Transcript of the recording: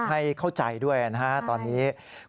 ให้เข้าใจด้วยตอนนี้